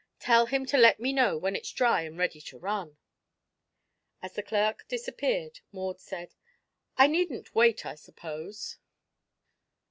Tell him to let me know when it's dry and ready to run." As the clerk disappeared Maud said: "I needn't wait, I suppose?"